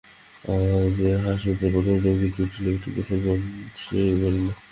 আমাদের হাসপাতালে প্রথম রোগী জুটিল একজন মুসলমান, সে মরিল।